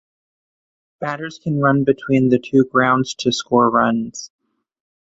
Batters can run between the two grounds to score runs.